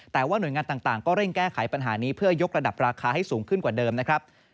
แต่ว่าหน่วยงานต่างก็เร่งแก้ไขปัญหานี้เพื่อยกระดับราคาให้สูงขึ้นกว่าเดิมนะครับ